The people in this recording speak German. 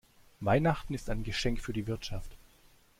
Weihnachten ist ein Geschenk für die Wirtschaft.